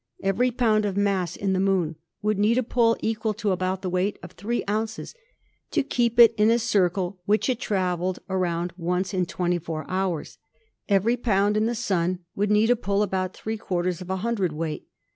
Every pound of mass in the Moon would need a pull equal to about the weight of 3 ounces to keep it in a circle which it traveled around once in 24 hours. Every pound in the Sun would need a pull about three quarters of a hundredweight.